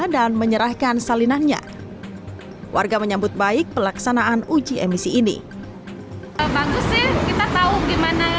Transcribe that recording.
dan menyerahkan salinannya warga menyambut baik pelaksanaan uji emisi ini kita tahu gimana